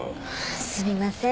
すみません。